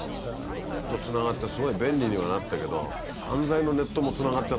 ネットつながってすごい便利にはなったけど面倒くさいね。